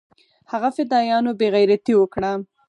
هغه فدايانو بې غيرتي اوکړه.